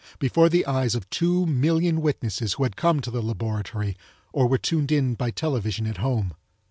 Before the eyes of two million witnesses who had come to the laboratory or were tuned in by television at home!